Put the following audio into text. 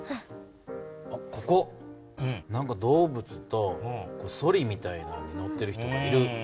ここ何か動物とソリみたいなのに乗ってる人がいる。